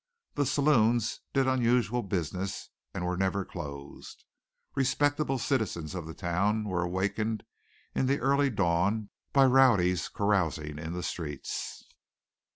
The saloons did unusual business and were never closed. Respectable citizens of the town were awakened in the early dawn by rowdies carousing in the streets.